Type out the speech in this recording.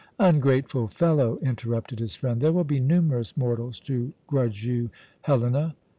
"Ungrateful fellow!" interrupted his friend. "There will be numerous mortals to grudge you Helena.